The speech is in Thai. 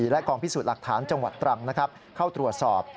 และกองพิสูจน์หลักฐานจังหวัดตรังเข้าตรวจสอบ